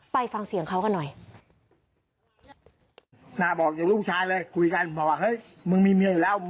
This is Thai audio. ไปฟังเสียงเขากันหน่อย